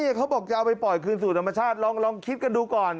เขาบอกจะเอาไปปล่อยคืนสู่ธรรมชาติลองคิดกันดูก่อน